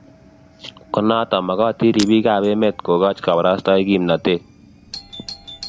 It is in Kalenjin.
konota makotin ripik ap emet kokach kaparastaik kimnatet